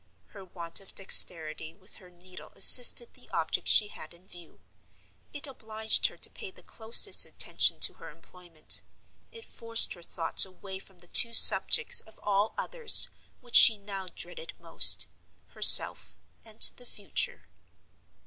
Her want of dexterity with her needle assisted the object she had in view; it obliged her to pay the closest attention to her employment; it forced her thoughts away from the two subjects of all others which she now dreaded most—herself and the future.